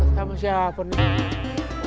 sama siapa nih